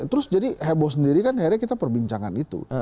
terus jadi heboh sendiri kan akhirnya kita perbincangan itu